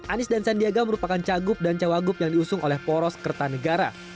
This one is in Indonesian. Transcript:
anies dan sandiaga merupakan cagup dan cawagup yang diusung oleh poros kertanegara